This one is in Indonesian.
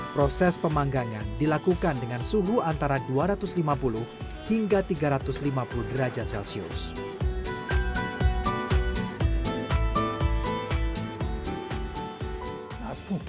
proses pemanggangan dilakukan dengan suhu antara dua ratus lima puluh hingga tiga ratus lima puluh derajat celcius